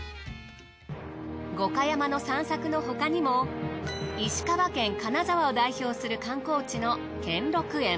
五箇山の散策の他にも石川県金沢を代表する観光地の兼六園。